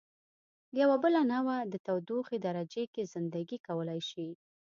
یوه بله نوعه د تودوخې درجې کې زنده ګي کولای شي.